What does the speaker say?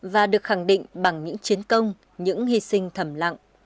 và được khẳng định bằng những chiến công những hy sinh thầm lặng